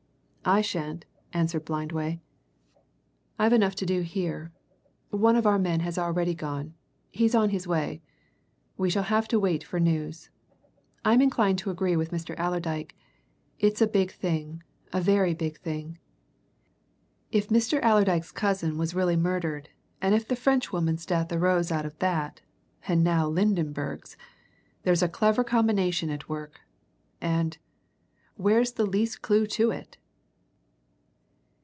"I shan't," answered Blindway. "I've enough to do here. One of our men has already gone he's on his way. We shall have to wait for news. I'm inclined to agree with Mr. Allerdyke it's a big thing, a very big thing. If Mr. Allerdyke's cousin was really murdered, and if the Frenchwoman's death arose out of that, and now Lydenberg's, there's a clever combination at work. And where's the least clue to it?"